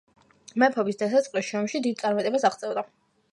მეფობის დასაწყისში ომში დიდ წარმატებებს აღწევდა.